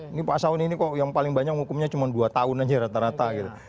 ini pak sauni ini kok yang paling banyak hukumnya cuma dua tahun aja rata rata gitu